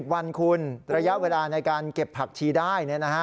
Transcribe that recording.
๔๐๖๐วันคุณระยะเวลาในการเก็บผักชีได้เนี่ยนะฮะ